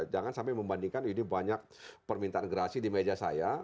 jangan sampai membandingkan ini banyak permintaan gerasi di meja saya